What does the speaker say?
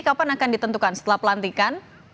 kapan akan ditentukan setelah pelantikan